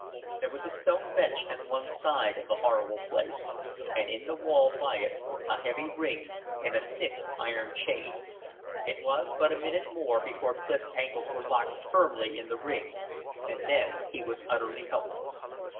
There was a stone bench at one side of the horrible place, and in the wall by it a heavy ring and a thick iron chain. It was but a minute more before Clif's ankles were locked firmly in the ring, and then he was utterly helpless.